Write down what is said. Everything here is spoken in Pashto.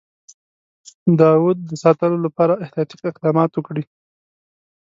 د اَوَد د ساتلو لپاره احتیاطي اقدامات وکړي.